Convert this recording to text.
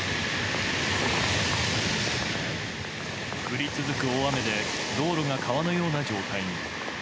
降り続く大雨で道路が川のような状態に。